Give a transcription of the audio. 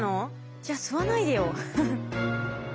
じゃあ吸わないでよ。